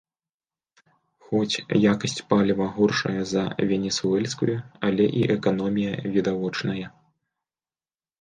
Хоць якасць паліва горшая за венесуэльскую, але і эканомія відавочная.